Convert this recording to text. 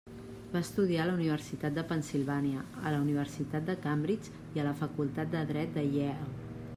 Va estudiar a la Universitat de Pennsilvània, a la Universitat de Cambridge i a la facultat de Dret de Yale.